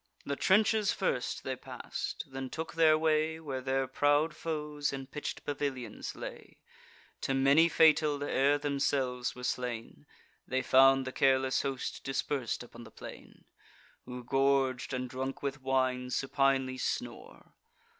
The trenches first they pass'd; then took their way Where their proud foes in pitch'd pavilions lay; To many fatal, ere themselves were slain. They found the careless host dispers'd upon the plain, Who, gorg'd, and drunk with wine, supinely snore.